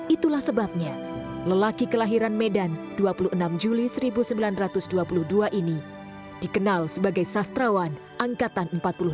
itulah sebabnya lelaki kelahiran medan dua puluh enam juli seribu sembilan ratus dua puluh dua ini dikenal sebagai sastrawan angkatan empat puluh lima